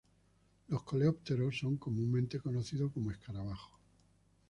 Los coleópteros son comúnmente conocidos como escarabajos.